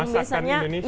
betul masakan indonesia